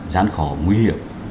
gián khổ nguy hiểm